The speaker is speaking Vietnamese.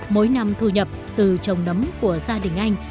mỗi năm thu nhập từ trồng nấm của gia đình anh